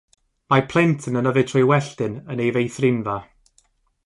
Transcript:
Mae plentyn yn yfed trwy welltyn yn ei feithrinfa.